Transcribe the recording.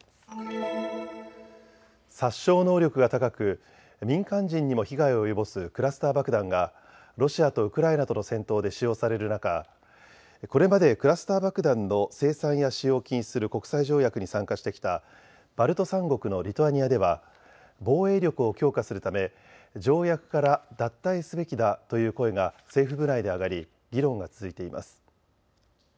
殺傷能力が高く民間人にも被害を及ぼすクラスター爆弾がロシアとウクライナとの戦闘で使用される中、これまでクラスター爆弾の生産や使用を禁止する国際条約に参加してきたバルト三国のリトアニアでは防衛力を強化するため条約から脱退すべきだという声が政府部内で上がり議論が続いています。